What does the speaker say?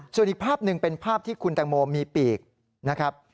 ส่วนอีกภาพหนึ่งเป็นภาพที่คุณแตงโมมีปีกนะครับ